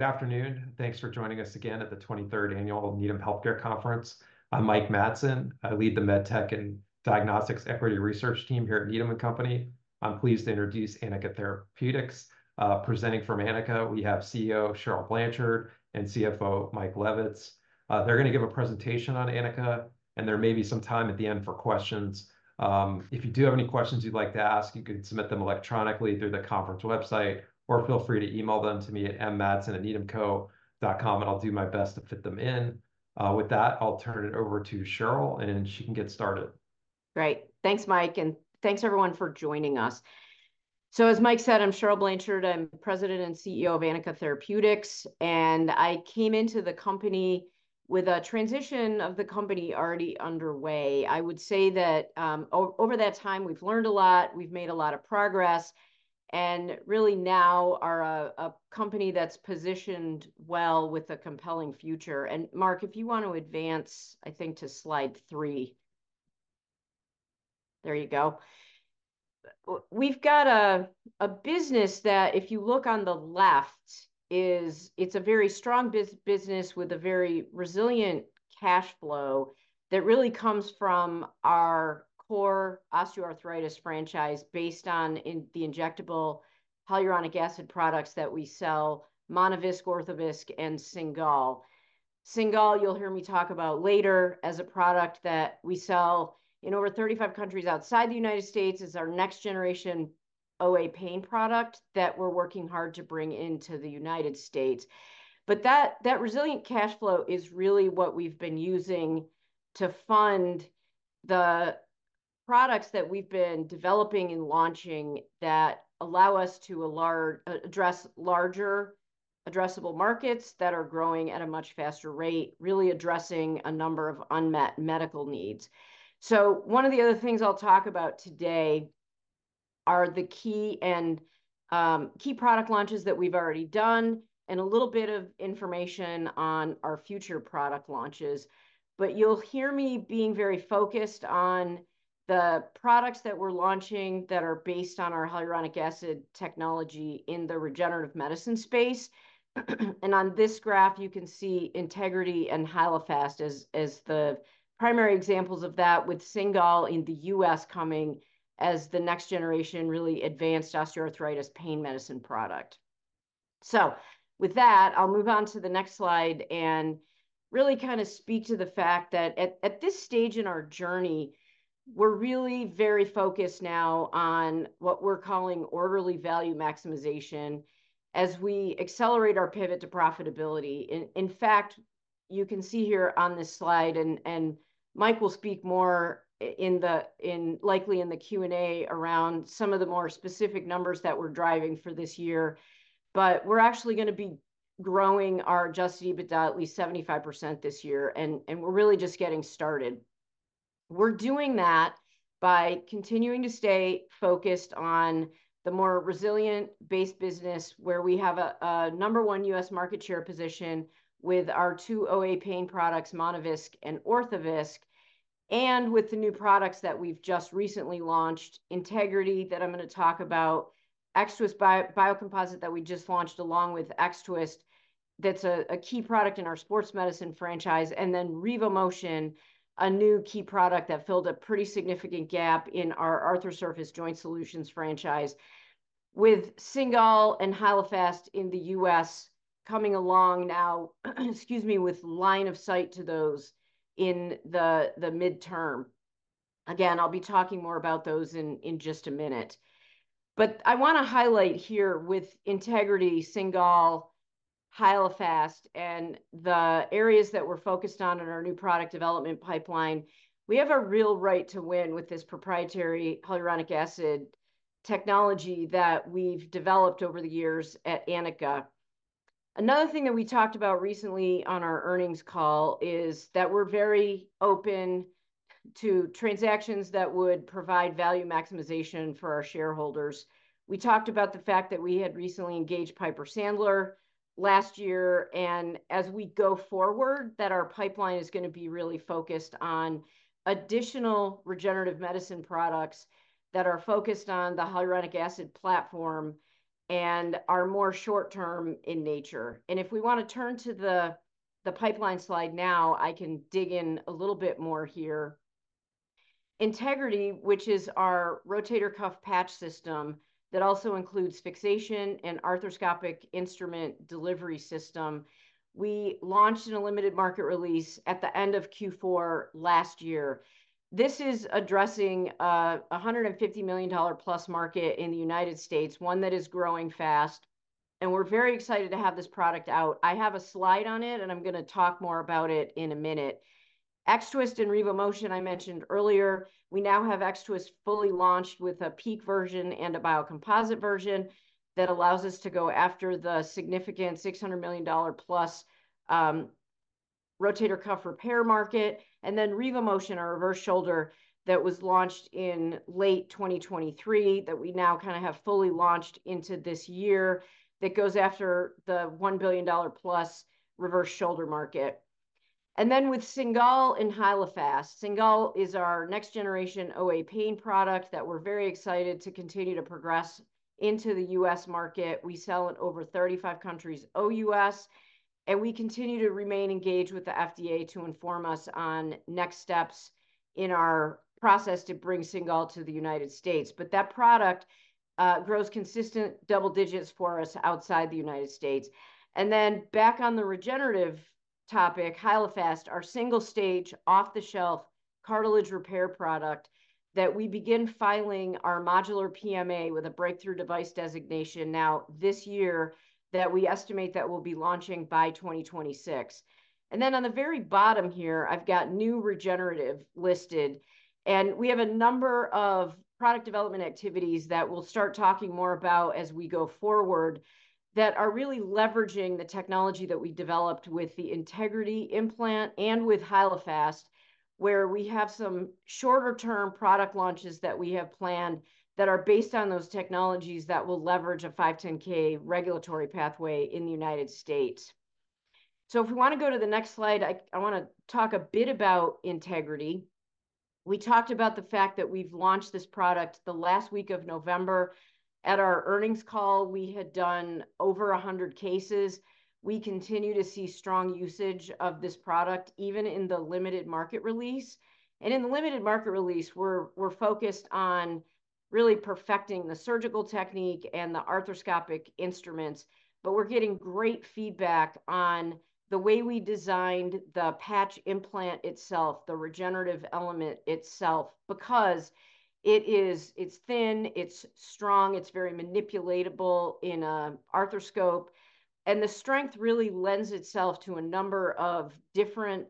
Good afternoon. Thanks for joining us again at the 23rd annual Needham Healthcare Conference. I'm Mike Matson. I lead the MedTech and Diagnostics Equity Research Team here at Needham & Company. I'm pleased to introduce Anika Therapeutics. Presenting from Anika, we have CEO Cheryl Blanchard and CFO Mike Levitz. They're gonna give a presentation on Anika, and there may be some time at the end for questions. If you do have any questions you'd like to ask, you can submit them electronically through the conference website, or feel free to email them to me at mmatson@needhamco.com, and I'll do my best to fit them in. With that, I'll turn it over to Cheryl, and she can get started. Great. Thanks, Mike, and thanks, everyone, for joining us. As Mike said, I'm Cheryl Blanchard. I'm President and CEO of Anika Therapeutics, and I came into the company with a transition of the company already underway. I would say that, over that time, we've learned a lot. We've made a lot of progress. Really now are a a company that's positioned well with a compelling future. Mark, if you wanna advance, I think, to slide 3. There you go. We've got a a business that, if you look on the left, is it's a very strong business with a very resilient cash flow that really comes from our core osteoarthritis franchise based on in the injectable hyaluronic acid products that we sell: Monovisc, Orthovisc, and Cingal. Cingal, you'll hear me talk about later as a product that we sell in over 35 countries outside the United States. It's our next generation OA pain product that we're working hard to bring into the United States. But that resilient cash flow is really what we've been using to fund the products that we've been developing and launching that allow us to address larger addressable markets that are growing at a much faster rate, really addressing a number of unmet medical needs. So one of the other things I'll talk about today are the key product launches that we've already done and a little bit of information on our future product launches. But you'll hear me being very focused on the products that we're launching that are based on our hyaluronic acid technology in the regenerative medicine space. On this graph, you can see Integrity and Hyalofast as the primary examples of that with Cingal in the U.S. coming as the next generation really advanced osteoarthritis pain medicine product. So with that, I'll move on to the next slide and really kinda speak to the fact that at this stage in our journey, we're really very focused now on what we're calling orderly value maximization as we accelerate our pivot to profitability. In fact, you can see here on this slide, and Mike will speak more, likely in the Q&A, around some of the more specific numbers that we're driving for this year. But we're actually gonna be growing our Adjusted EBITDA at least 75% this year, and we're really just getting started. We're doing that by continuing to stay focused on the more resilient base business where we have a number one U.S. market share position with our two OA pain products, Monovisc and Orthovisc. And with the new products that we've just recently launched, Integrity that I'm gonna talk about, X-Twist Biocomposite that we just launched along with X-Twist. That's a key product in our sports medicine franchise. And then RevoMotion, a new key product that filled a pretty significant gap in our Arthrosurface Joint Solutions franchise. With Cingal and Hyalofast in the U.S. coming along now, excuse me, with line of sight to those in the midterm. Again, I'll be talking more about those in just a minute. But I wanna highlight here with Integrity, Cingal, Hyalofast, and the areas that we're focused on in our new product development pipeline, we have a real right to win with this proprietary hyaluronic acid technology that we've developed over the years at Anika. Another thing that we talked about recently on our earnings call is that we're very open to transactions that would provide value maximization for our shareholders. We talked about the fact that we had recently engaged Piper Sandler last year, and as we go forward, that our pipeline is gonna be really focused on additional regenerative medicine products that are focused on the hyaluronic acid platform and are more short term in nature. And if we wanna turn to the pipeline slide now, I can dig in a little bit more here. Integrity, which is our rotator cuff patch system that also includes fixation and arthroscopic instrument delivery system. We launched a limited market release at the end of Q4 last year. This is addressing a $150 million+ market in the United States, one that is growing fast. And we're very excited to have this product out. I have a slide on it, and I'm gonna talk more about it in a minute. X-Twist and RevoMotion, I mentioned earlier, we now have X-Twist fully launched with a PEEK version and a biocomposite version that allows us to go after the significant $600 million+ rotator cuff repair market. And then RevoMotion, our reverse shoulder that was launched in late 2023 that we now kinda have fully launched into this year that goes after the $1 billion+ reverse shoulder market. And then with Cingal and Hyalofast, Cingal is our next generation OA pain product that we're very excited to continue to progress into the U.S. market. We sell it over 35 countries OUS. And we continue to remain engaged with the FDA to inform us on next steps in our process to bring Cingal to the United States. But that product grows consistent double digits for us outside the United States. And then back on the regenerative topic, Hyalofast, our single stage off the shelf cartilage repair product that we begin filing our modular PMA with a breakthrough device designation now this year that we estimate that we'll be launching by 2026. And then on the very bottom here, I've got new regenerative listed. We have a number of product development activities that we'll start talking more about as we go forward that are really leveraging the technology that we developed with the Integrity implant and with Hyalofast, where we have some shorter term product launches that we have planned that are based on those technologies that will leverage a 510(k) regulatory pathway in the United States. So if we wanna go to the next slide, I wanna talk a bit about Integrity. We talked about the fact that we've launched this product the last week of November. At our earnings call, we had done over 100 cases. We continue to see strong usage of this product even in the limited market release. And in the limited market release, we're focused on really perfecting the surgical technique and the arthroscopic instruments. But we're getting great feedback on the way we designed the patch implant itself, the regenerative element itself, because it's thin, it's strong, it's very manipulatable in an arthroscope. And the strength really lends itself to a number of different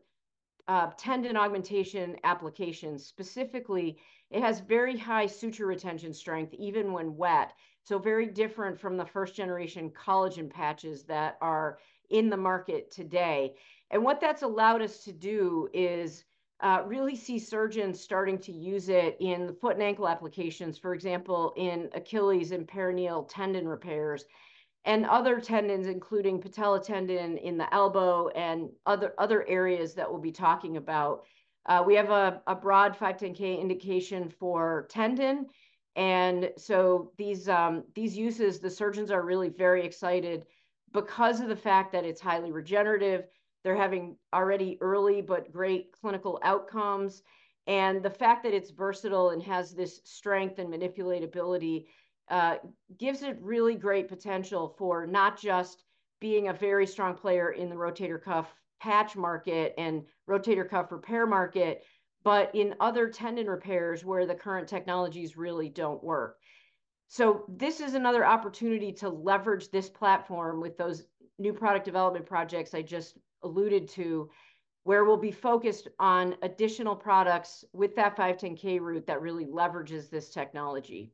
tendon augmentation applications. Specifically, it has very high suture retention strength even when wet. So very different from the first generation collagen patches that are in the market today. And what that's allowed us to do is really see surgeons starting to use it in the foot and ankle applications, for example, in Achilles and peroneal tendon repairs. And other tendons, including patella tendon in the elbow and other areas that we'll be talking about. We have a broad 510(k) indication for tendon. And so these uses, the surgeons are really very excited because of the fact that it's highly regenerative. They're having already early but great clinical outcomes. And the fact that it's versatile and has this strength and manipulatability gives it really great potential for not just being a very strong player in the rotator cuff patch market and rotator cuff repair market, but in other tendon repairs where the current technologies really don't work. So this is another opportunity to leverage this platform with those new product development projects I just alluded to, where we'll be focused on additional products with that 510(k) route that really leverages this technology.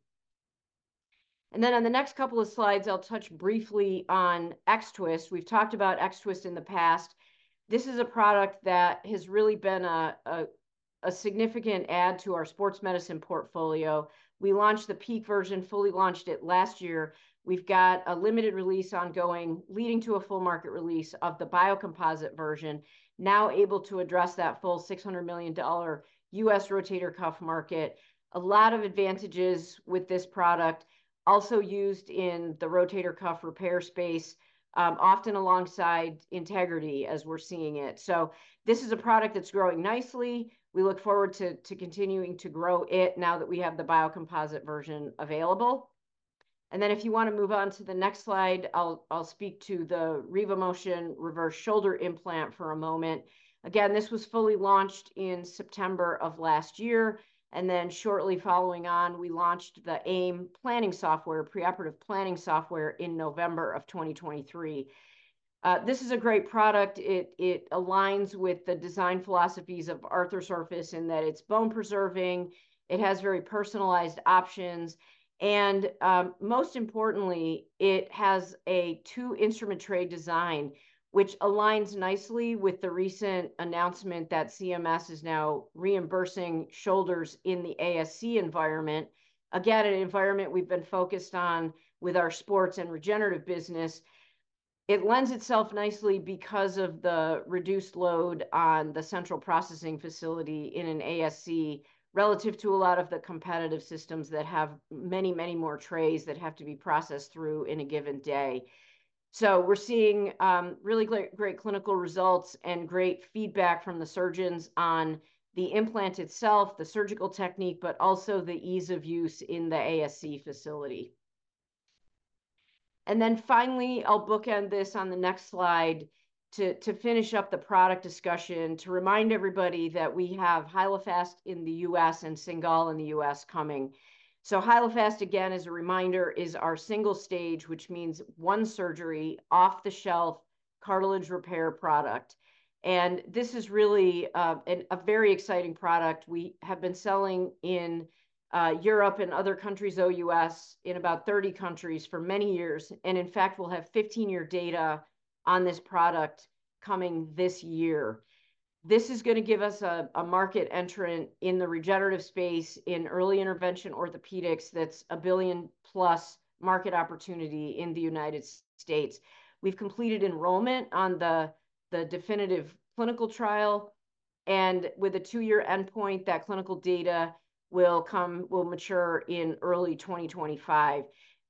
And then on the next couple of slides, I'll touch briefly on X-Twist. We've talked about X-Twist in the past. This is a product that has really been a significant add to our sports medicine portfolio. We launched the PEEK version, fully launched it last year. We've got a limited release ongoing, leading to a full market release of the biocomposite version, now able to address that full $600 million U.S. rotator cuff market. A lot of advantages with this product also used in the rotator cuff repair space, often alongside Integrity as we're seeing it. So this is a product that's growing nicely. We look forward to continuing to grow it now that we have the biocomposite version available. And then if you wanna move on to the next slide, I'll speak to the RevoMotion reverse shoulder implant for a moment. Again, this was fully launched in September of last year. And then shortly following on, we launched the AIM Planning Software, preoperative planning software in November of 2023. This is a great product. It aligns with the design philosophies of Arthrosurface in that it's bone preserving. It has very personalized options. Most importantly, it has a two instrument tray design, which aligns nicely with the recent announcement that CMS is now reimbursing shoulders in the ASC environment. Again, an environment we've been focused on with our sports and regenerative business. It lends itself nicely because of the reduced load on the central processing facility in an ASC relative to a lot of the competitive systems that have many, many more trays that have to be processed through in a given day. We're seeing really great clinical results and great feedback from the surgeons on the implant itself, the surgical technique, but also the ease of use in the ASC facility. Then finally, I'll bookend this on the next slide to to finish up the product discussion, to remind everybody that we have Hyalofast in the U.S. and Cingal in the U.S. coming. Hyalofast, again, as a reminder, is our single-stage, which means one surgery off-the-shelf cartilage repair product. And this is really a very exciting product. We have been selling in Europe and other countries OUS in about 30 countries for many years. And in fact, we'll have 15-year data on this product coming this year. This is gonna give us a market entrant in the regenerative space in early intervention orthopedics that's a billion-plus market opportunity in the United States. We've completed enrollment on the definitive clinical trial. And with a two-year endpoint, that clinical data will mature in early 2025.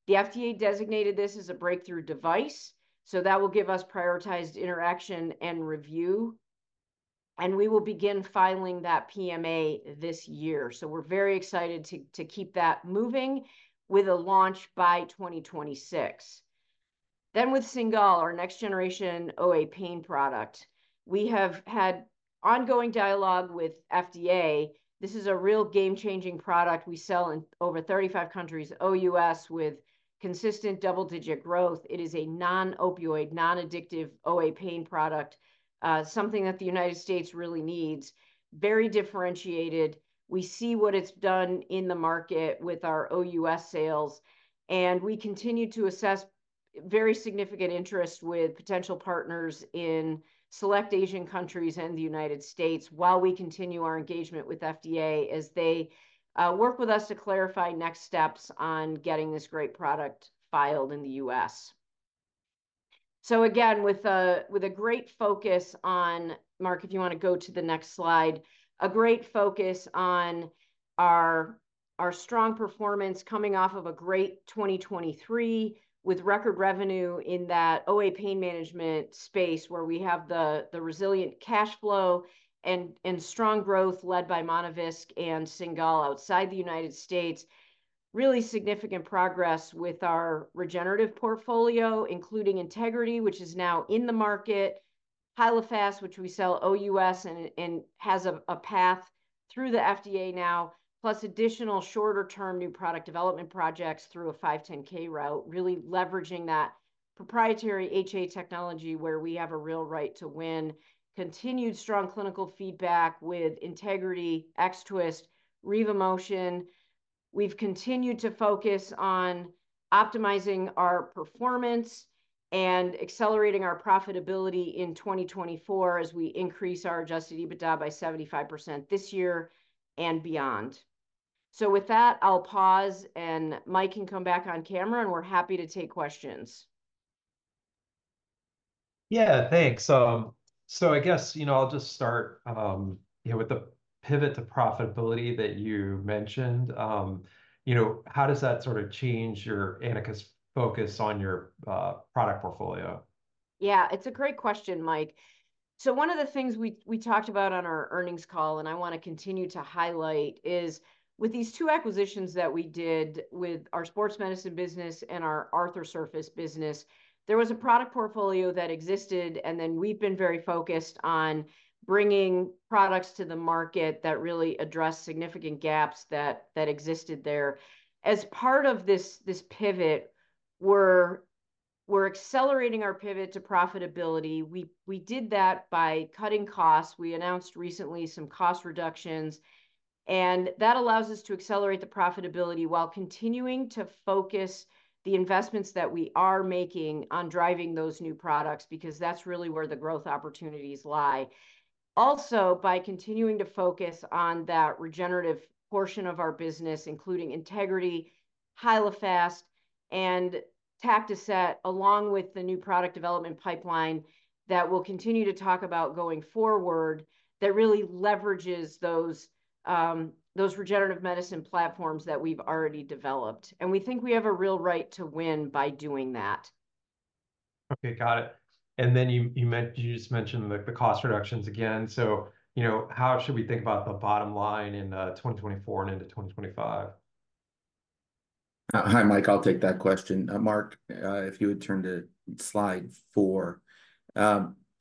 The FDA designated this as a breakthrough device. So that will give us prioritized interaction and review. And we will begin filing that PMA this year. So we're very excited to keep that moving with a launch by 2026. Then with Cingal, our next generation OA pain product. We have had ongoing dialogue with FDA. This is a real game-changing product. We sell in over 35 countries OUS with consistent double-digit growth. It is a non-opioid, non-addictive OA pain product. Something that the United States really needs. Very differentiated. We see what it's done in the market with our OUS sales. And we continue to assess very significant interest with potential partners in select Asian countries and the United States while we continue our engagement with FDA as they work with us to clarify next steps on getting this great product filed in the U.S. So again, with a great focus on Mark, if you wanna go to the next slide, a great focus on our strong performance coming off of a great 2023 with record revenue in that OA pain management space where we have the resilient cash flow and strong growth led by Monovisc and Cingal outside the United States. Really significant progress with our regenerative portfolio, including Integrity, which is now in the market. Hyalofast, which we sell OUS and has a path through the FDA now, plus additional shorter term new product development projects through a 510(k) route, really leveraging that proprietary HA technology where we have a real right to win. Continued strong clinical feedback with Integrity, X-Twist, RevoMotion. We've continued to focus on optimizing our performance and accelerating our profitability in 2024 as we increase our Adjusted EBITDA by 75% this year and beyond. So with that, I'll pause and Mike can come back on camera and we're happy to take questions. Yeah, thanks. So, I guess, you know, I'll just start, you know, with the pivot to profitability that you mentioned. You know, how does that sort of change Anika's focus on your product portfolio? Yeah, it's a great question, Mike. So one of the things we talked about on our earnings call, and I wanna continue to highlight, is with these two acquisitions that we did with our sports medicine business and our Arthrosurface business, there was a product portfolio that existed, and then we've been very focused on bringing products to the market that really address significant gaps that existed there. As part of this pivot, we're accelerating our pivot to profitability. We did that by cutting costs. We announced recently some cost reductions. That allows us to accelerate the profitability while continuing to focus the investments that we are making on driving those new products because that's really where the growth opportunities lie. Also, by continuing to focus on that regenerative portion of our business, including Integrity, Hyalofast, and Tactoset along with the new product development pipeline that we'll continue to talk about going forward that really leverages those regenerative medicine platforms that we've already developed. We think we have a real right to win by doing that. Okay, got it. And then you mentioned the cost reductions again. So, you know, how should we think about the bottom line in 2024 and into 2025? Hi, Mike. I'll take that question. Mark, if you would turn to slide four.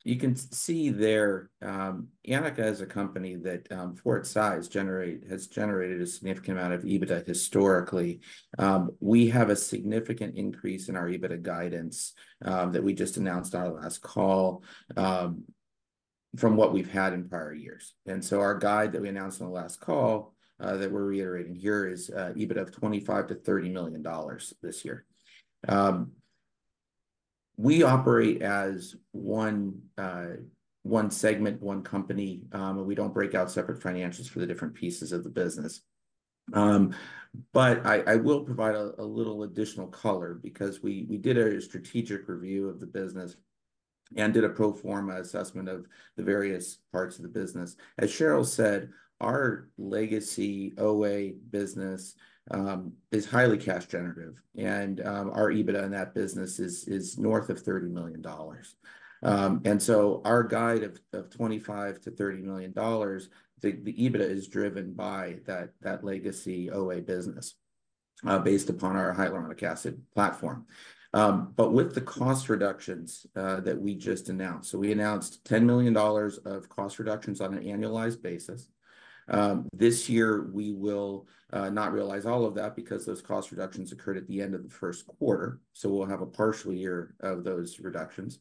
You can see there, Anika is a company that for its size has generated a significant amount of EBITDA historically. We have a significant increase in our EBITDA guidance that we just announced on our last call from what we've had in prior years. And so our guide that we announced on the last call that we're reiterating here is EBITDA of $25 million-$30 million this year. We operate as one segment, one company, and we don't break out separate financials for the different pieces of the business. But I will provide a little additional color because we did a strategic review of the business and did a pro forma assessment of the various parts of the business. As Cheryl said, our legacy OA business is highly cash generative. Our EBITDA in that business is north of $30 million. And so our guide of $25 million-$30 million, the EBITDA is driven by that legacy OA business based upon our hyaluronic acid platform. But with the cost reductions that we just announced, so we announced $10 million of cost reductions on an annualized basis. This year, we will not realize all of that because those cost reductions occurred at the end of the first quarter. So we'll have a partial year of those reductions.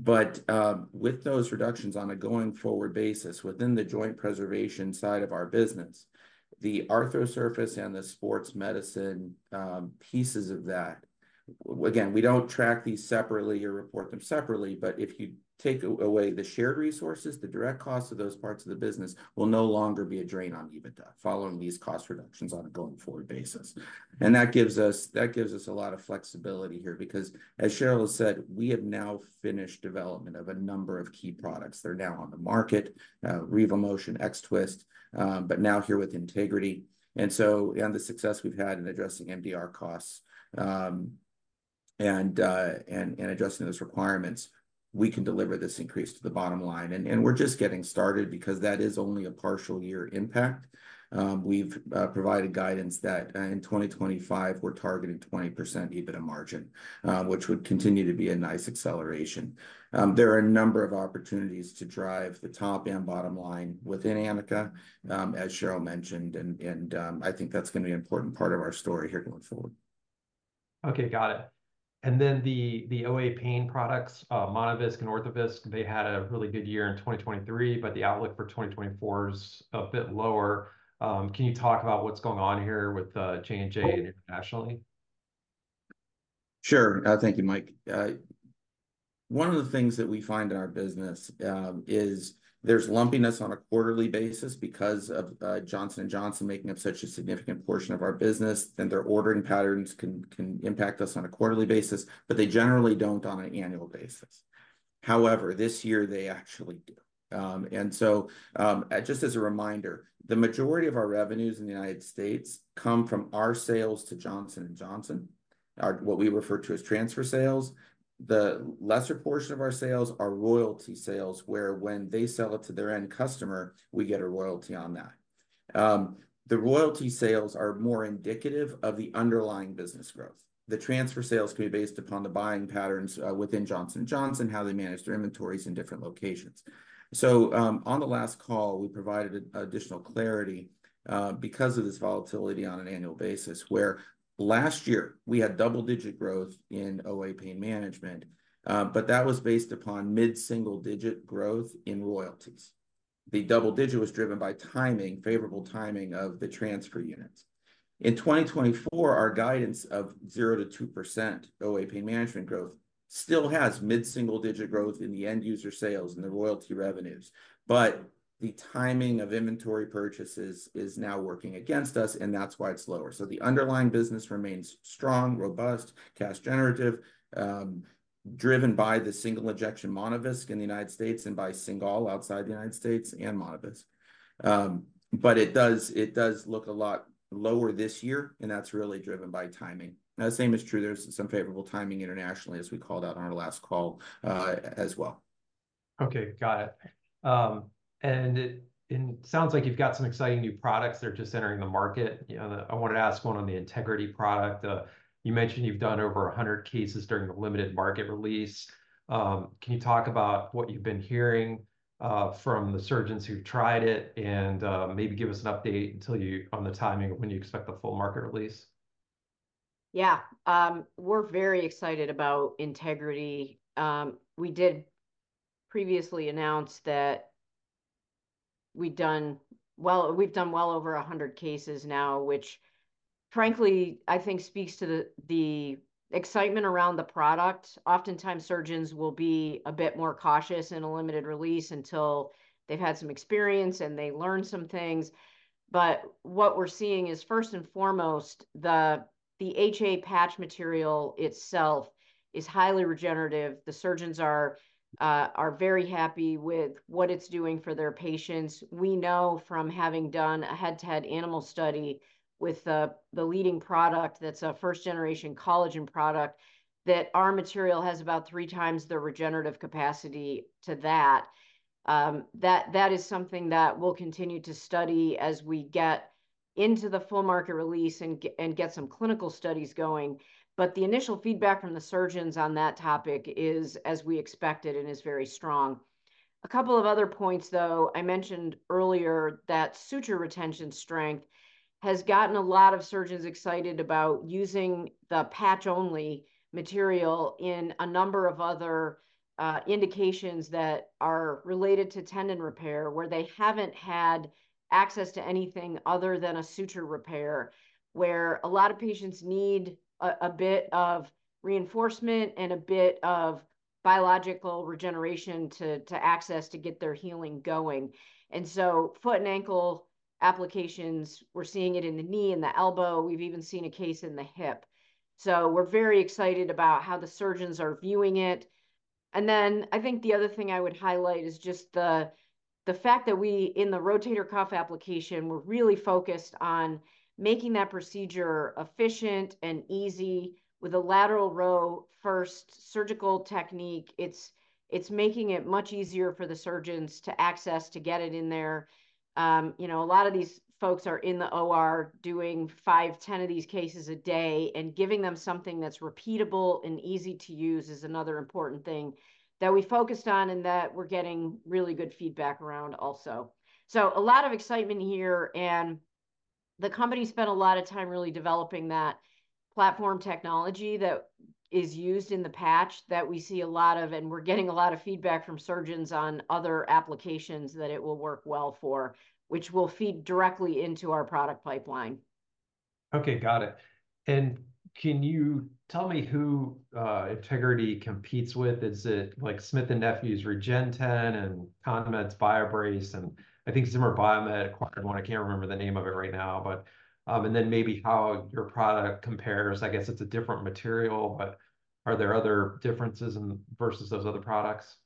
But with those reductions on a going forward basis within the joint preservation side of our business, the Arthrosurface and the sports medicine pieces of that, again, we don't track these separately or report them separately, but if you take away the shared resources, the direct costs of those parts of the business will no longer be a drain on EBITDA following these cost reductions on a going forward basis. And that gives us a lot of flexibility here because as Cheryl said, we have now finished development of a number of key products. They're now on the market, RevoMotion, X-Twist, but now here with Integrity. And so the success we've had in addressing MDR costs and addressing those requirements, we can deliver this increase to the bottom line. And we're just getting started because that is only a partial year impact. We've provided guidance that in 2025, we're targeting 20% EBITDA margin, which would continue to be a nice acceleration. There are a number of opportunities to drive the top and bottom line within Anika, as Cheryl mentioned, and I think that's gonna be an important part of our story here going forward. Okay, got it. And then the OA pain products, Monovisc and Orthovisc, they had a really good year in 2023, but the outlook for 2024 is a bit lower. Can you talk about what's going on here with J&J and internationally? Sure. Thank you, Mike. One of the things that we find in our business is there's lumpiness on a quarterly basis because of Johnson & Johnson making up such a significant portion of our business, then their ordering patterns can impact us on a quarterly basis, but they generally don't on an annual basis. However, this year, they actually do. And so just as a reminder, the majority of our revenues in the United States come from our sales to Johnson & Johnson, our what we refer to as transfer sales. The lesser portion of our sales are royalty sales where, when they sell it to their end customer, we get a royalty on that. The royalty sales are more indicative of the underlying business growth. The transfer sales can be based upon the buying patterns within Johnson & Johnson, how they manage their inventories in different locations. So on the last call, we provided additional clarity because of this volatility on an annual basis where last year, we had double-digit growth in OA pain management, but that was based upon mid single-digit growth in royalties. The double-digit was driven by timing, favorable timing of the transfer units. In 2024, our guidance of 0%-2% OA pain management growth still has mid single-digit growth in the end user sales and the royalty revenues. But the timing of inventory purchases is now working against us, and that's why it's lower. So the underlying business remains strong, robust, cash generative, driven by the single injection Monovisc in the United States and by Cingal outside the United States and Monovisc. But it does look a lot lower this year, and that's really driven by timing. Now, the same is true. There's some favorable timing internationally, as we called out on our last call as well. Okay, got it. And it sounds like you've got some exciting new products. They're just entering the market. You know, I wanted to ask one on the Integrity product. You mentioned you've done over 100 cases during the limited market release. Can you talk about what you've been hearing from the surgeons who've tried it and maybe give us an update until you on the timing of when you expect the full market release? Yeah. We're very excited about Integrity. We did previously announce that we'd done well, we've done well over 100 cases now, which frankly, I think speaks to the excitement around the product. Oftentimes, surgeons will be a bit more cautious in a limited release until they've had some experience and they learn some things. But what we're seeing is first and foremost, the HA patch material itself is highly regenerative. The surgeons are very happy with what it's doing for their patients. We know from having done a head-to-head animal study with the leading product that's a first-generation collagen product that our material has about three times the regenerative capacity to that. That is something that we'll continue to study as we get into the full market release and get some clinical studies going. But the initial feedback from the surgeons on that topic is as we expected and is very strong. A couple of other points, though, I mentioned earlier that suture retention strength has gotten a lot of surgeons excited about using the patch-only material in a number of other indications that are related to tendon repair where they haven't had access to anything other than a suture repair where a lot of patients need a bit of reinforcement and a bit of biological regeneration to accelerate to get their healing going. And so foot and ankle applications, we're seeing it in the knee and the elbow. We've even seen a case in the hip. So we're very excited about how the surgeons are viewing it. And then I think the other thing I would highlight is just the fact that we, in the rotator cuff application, we're really focused on making that procedure efficient and easy with a lateral row first surgical technique. It's making it much easier for the surgeons to access, to get it in there. You know, a lot of these folks are in the OR doing 5, 10 of these cases a day and giving them something that's repeatable and easy to use is another important thing that we focused on and that we're getting really good feedback around also. So, a lot of excitement here, and the company spent a lot of time really developing that platform technology that is used in the patch that we see a lot of, and we're getting a lot of feedback from surgeons on other applications that it will work well for, which will feed directly into our product pipeline. Okay, got it. And can you tell me who Integrity competes with? Is it like Smith & Nephew's Regeneten and CONMED's BioBrace and I think Zimmer Biomet acquired one. I can't remember the name of it right now, but and then maybe how your product compares. I guess it's a different material, but are there other differences in versus those other products?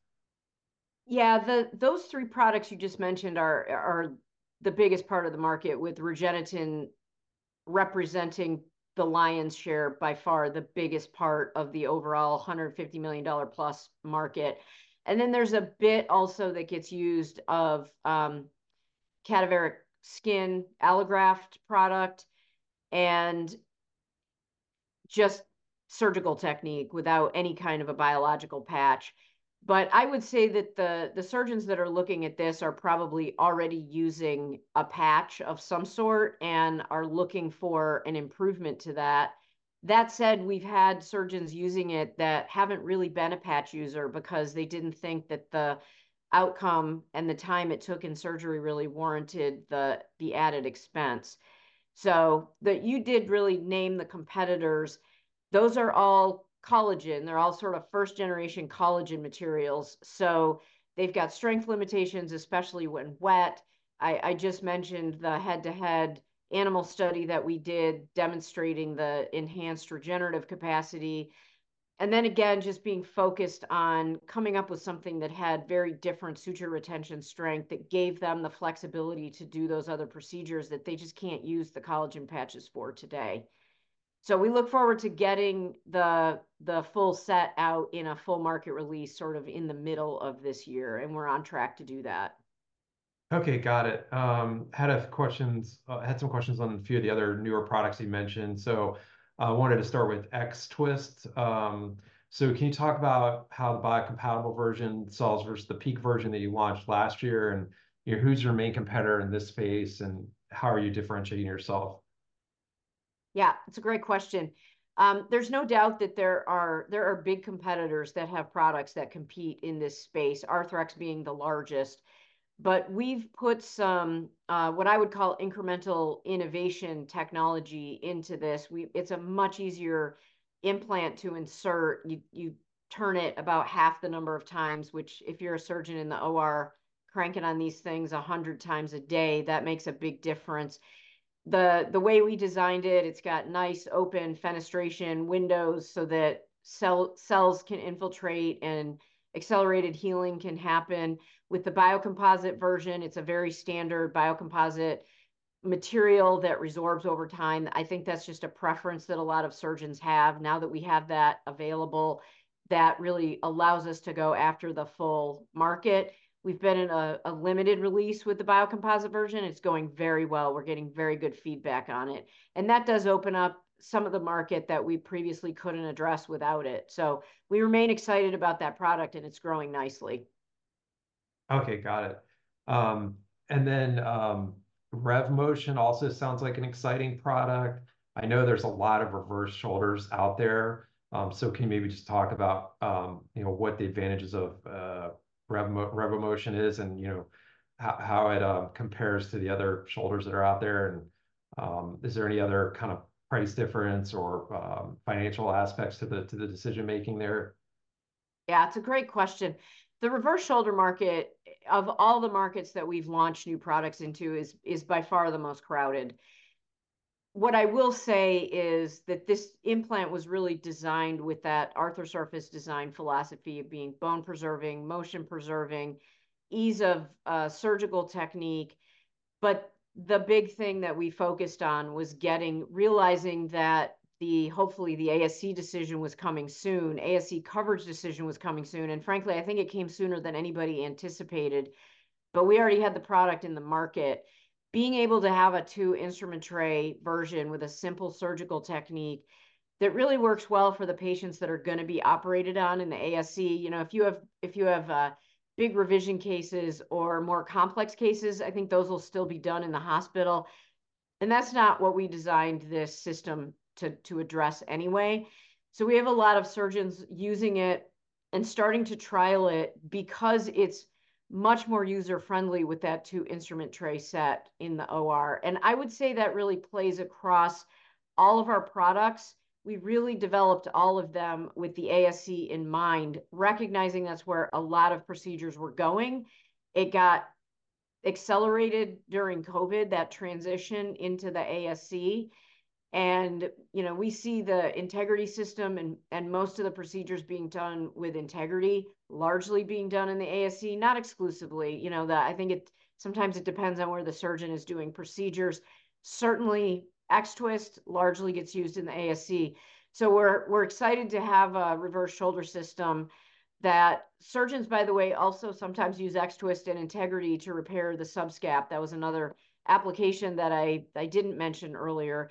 Yeah, those three products you just mentioned are the biggest part of the market with Regeneten representing the lion's share by far the biggest part of the overall $150 million+ market. And then there's a bit also that gets used of cadaveric skin allograft product and just surgical technique without any kind of a biological patch. But I would say that the surgeons that are looking at this are probably already using a patch of some sort and are looking for an improvement to that. That said, we've had surgeons using it that haven't really been a patch user because they didn't think that the outcome and the time it took in surgery really warranted the added expense. So that you did really name the competitors. Those are all collagen. They're all sort of first generation collagen materials. So they've got strength limitations, especially when wet. I just mentioned the head-to-head animal study that we did demonstrating the enhanced regenerative capacity. And then again, just being focused on coming up with something that had very different suture retention strength that gave them the flexibility to do those other procedures that they just can't use the collagen patches for today. So we look forward to getting the full set out in a full market release sort of in the middle of this year, and we're on track to do that. Okay, got it. Had some questions on a few of the other newer products you mentioned. So I wanted to start with X-Twist. So can you talk about how the biocomposite version solves versus the PEEK version that you launched last year and, you know, who's your main competitor in this space and how are you differentiating yourself? Yeah, it's a great question. There's no doubt that there are big competitors that have products that compete in this space, Arthrex being the largest. But we've put some what I would call incremental innovation technology into this. It's a much easier implant to insert. You turn it about half the number of times, which if you're a surgeon in the OR, cranking on these things 100 times a day, that makes a big difference. The way we designed it, it's got nice open fenestration windows so that cells can infiltrate and accelerated healing can happen. With the biocomposite version, it's a very standard biocomposite material that resorbs over time. I think that's just a preference that a lot of surgeons have now that we have that available that really allows us to go after the full market. We've been in a limited release with the Biocomposite version. It's going very well. We're getting very good feedback on it. And that does open up some of the market that we previously couldn't address without it. So we remain excited about that product, and it's growing nicely. Okay, got it. And then RevoMotion also sounds like an exciting product. I know there's a lot of reverse shoulders out there. So can you maybe just talk about, you know, what the advantages of RevoMotion is and, you know, how it compares to the other shoulders that are out there? And is there any other kind of price difference or financial aspects to the decision making there? Yeah, it's a great question. The reverse shoulder market of all the markets that we've launched new products into is by far the most crowded. What I will say is that this implant was really designed with that Arthrosurface design philosophy of being bone preserving, motion preserving, ease of surgical technique. But the big thing that we focused on was getting realizing that the hopefully the ASC decision was coming soon, ASC coverage decision was coming soon. And frankly, I think it came sooner than anybody anticipated, but we already had the product in the market. Being able to have a two instrument tray version with a simple surgical technique that really works well for the patients that are gonna be operated on in the ASC. You know, if you have big revision cases or more complex cases, I think those will still be done in the hospital. And that's not what we designed this system to address anyway. So we have a lot of surgeons using it and starting to trial it because it's much more user friendly with that 2 instrument tray set in the OR. And I would say that really plays across all of our products. We really developed all of them with the ASC in mind, recognizing that's where a lot of procedures were going. It got accelerated during COVID, that transition into the ASC. And, you know, we see the Integrity system and most of the procedures being done with Integrity largely being done in the ASC, not exclusively. You know, I think it sometimes depends on where the surgeon is doing procedures. Certainly, X-Twist largely gets used in the ASC. So we're excited to have a reverse shoulder system that surgeons, by the way, also sometimes use X-Twist and Integrity to repair the subscap. That was another application that I didn't mention earlier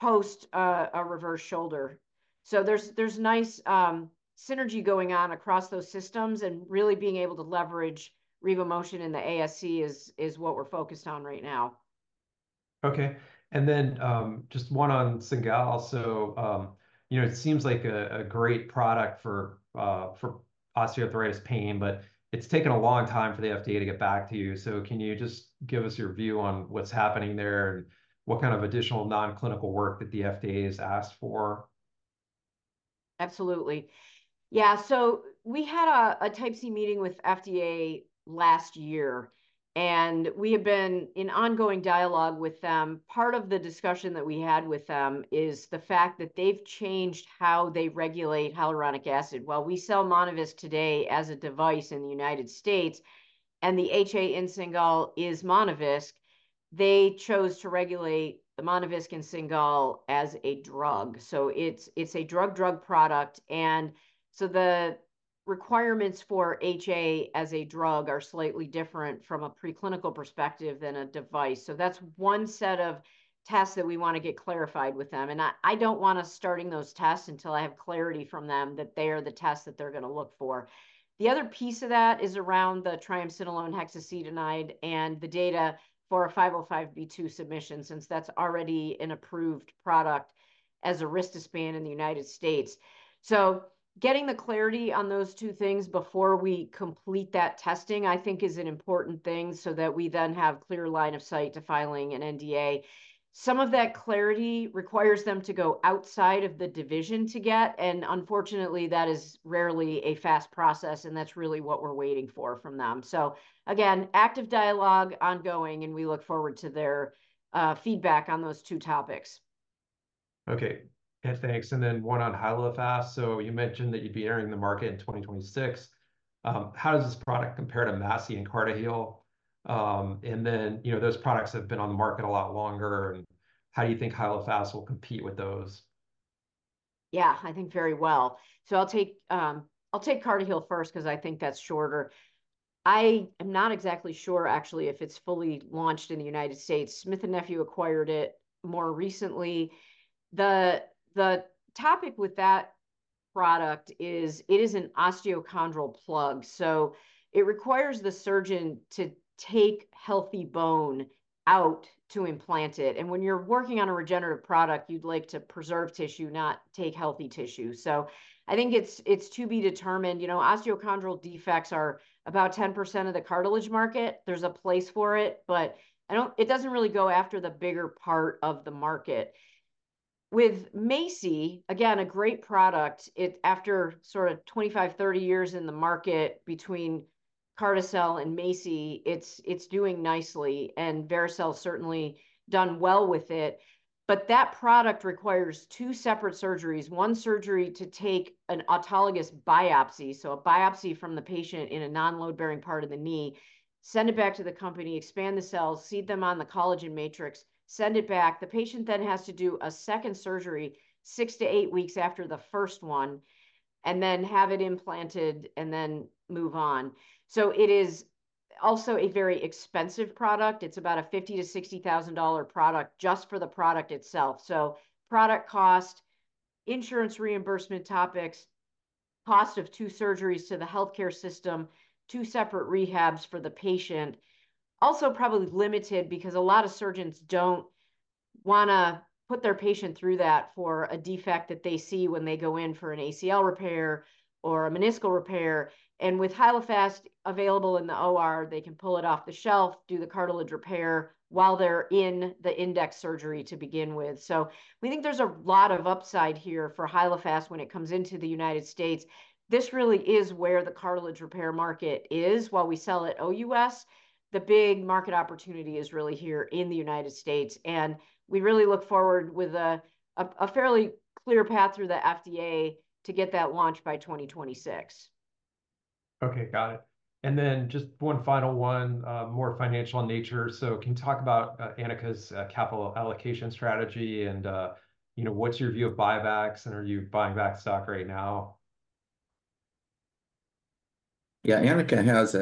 post a reverse shoulder. So there's nice synergy going on across those systems and really being able to leverage RevoMotion in the ASC is what we're focused on right now. Okay. And then just one on Cingal. So, you know, it seems like a great product for osteoarthritis pain, but it's taken a long time for the FDA to get back to you. So can you just give us your view on what's happening there and what kind of additional non-clinical work that the FDA has asked for? Absolutely. Yeah, so we had a type C meeting with FDA last year, and we have been in ongoing dialogue with them. Part of the discussion that we had with them is the fact that they've changed how they regulate hyaluronic acid. While we sell Monovisc today as a device in the United States and the HA in Cingal is Monovisc, they chose to regulate the Monovisc in Cingal as a drug. So it's a drug product. And so the requirements for HA as a drug are slightly different from a preclinical perspective than a device. So that's one set of tests that we want to get clarified with them. And I don't want to start those tests until I have clarity from them that they are the tests that they're gonna look for. The other piece of that is around the triamcinolone hexacetonide and the data for a 505(b)(2) submission since that's already an approved product as a viscosupplement in the United States. So getting the clarity on those two things before we complete that testing, I think, is an important thing so that we then have clear line of sight to filing an NDA. Some of that clarity requires them to go outside of the division to get. And unfortunately, that is rarely a fast process, and that's really what we're waiting for from them. So again, active dialogue ongoing, and we look forward to their feedback on those two topics. Okay. Next, thanks. And then one on Hyalofast. So you mentioned that you'd be entering the market in 2026. How does this product compare to MACI and CartiHeal? And then, you know, those products have been on the market a lot longer. And how do you think Hyalofast will compete with those? Yeah, I think very well. So I'll take CartiHeal first because I think that's shorter. I am not exactly sure, actually, if it's fully launched in the United States. Smith & Nephew acquired it more recently. The topic with that product is it is an osteochondral plug. So it requires the surgeon to take healthy bone out to implant it. And when you're working on a regenerative product, you'd like to preserve tissue, not take healthy tissue. So I think it's to be determined. You know, osteochondral defects are about 10% of the cartilage market. There's a place for it, but I don't it doesn't really go after the bigger part of the market. With MACI, again, a great product, it after sort of 25-30 years in the market between Carticel and MACI, it's doing nicely, and Vericel certainly done well with it. But that product requires two separate surgeries, one surgery to take an autologous biopsy, so a biopsy from the patient in a non-load bearing part of the knee, send it back to the company, expand the cells, seed them on the collagen matrix, send it back. The patient then has to do a second surgery six to eight weeks after the first one. And then have it implanted and then move on. So it is also a very expensive product. It's about a $50,000-$60,000 product just for the product itself. So product cost, insurance reimbursement topics, cost of two surgeries to the healthcare system, two separate rehabs for the patient. Also probably limited because a lot of surgeons don't want to put their patient through that for a defect that they see when they go in for an ACL repair or a meniscal repair. With Hyalofast available in the OR, they can pull it off the shelf, do the cartilage repair while they're in the index surgery to begin with. So we think there's a lot of upside here for Hyalofast when it comes into the United States. This really is where the cartilage repair market is. While we sell at OUS, the big market opportunity is really here in the United States. We really look forward with a fairly clear path through the FDA to get that launched by 2026. Okay, got it. And then just one final one, more financial in nature. So can you talk about Anika's capital allocation strategy and, you know, what's your view of buybacks and are you buying back stock right now? Yeah, Anika has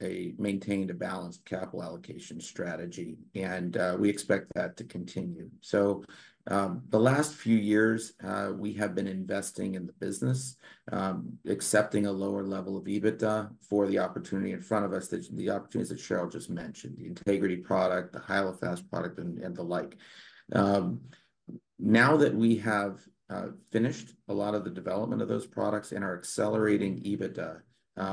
maintained a balanced capital allocation strategy, and we expect that to continue. So the last few years, we have been investing in the business, accepting a lower level of EBITDA for the opportunity in front of us, the opportunities that Cheryl just mentioned, the Integrity product, the Hyalofast product, and the like. Now that we have finished a lot of the development of those products and are accelerating EBITDA,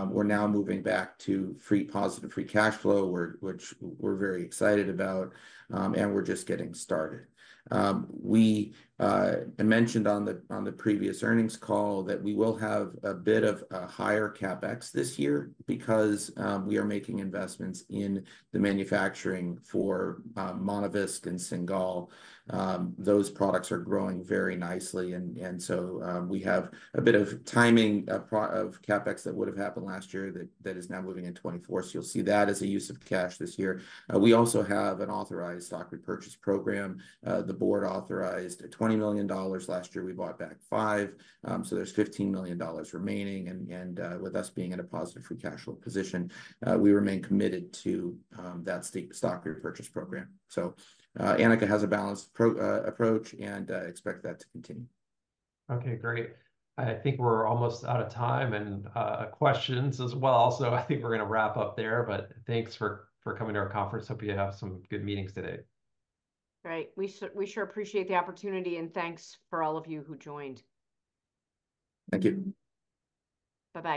we're now moving back to positive free cash flow, which we're very excited about, and we're just getting started. I mentioned on the previous earnings call that we will have a bit of a higher CapEx this year because we are making investments in the manufacturing for Monovisc and Cingal. Those products are growing very nicely. And so we have a bit of timing of CapEx that would have happened last year that is now moving in 2024. So you'll see that as a use of cash this year. We also have an authorized stock repurchase program. The board authorized $20 million. Last year, we bought back $5 million. So there's $15 million remaining. And with us being in a positive free cash flow position, we remain committed to that stock repurchase program. So Anika has a balanced approach and expect that to continue. Okay, great. I think we're almost out of time and questions as well. Also, I think we're gonna wrap up there, but thanks for coming to our conference. Hope you have some good meetings today. Great. We sure appreciate the opportunity, and thanks for all of you who joined. Thank you. Bye-bye.